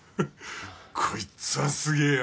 こいつはすげえよ。